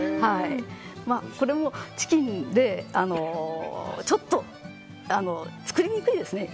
これもチキンでちょっと作りにくいですよね。